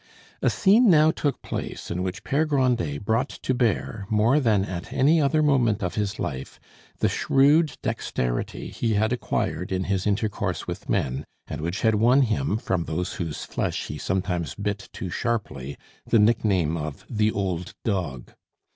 A scene now took place in which Pere Grandet brought to bear, more than at any other moment of his life, the shrewd dexterity he had acquired in his intercourse with men, and which had won him from those whose flesh he sometimes bit too sharply the nickname of "the old dog."